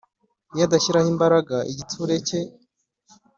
iyadashyiraho imbaraga igitsure cye